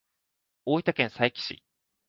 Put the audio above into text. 大分県佐伯市